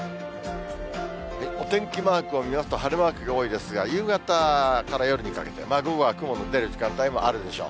お天気マークを見ますと、晴れマークが多いですが、夕方から夜にかけて、午後は雲の出る時間帯もあるでしょう。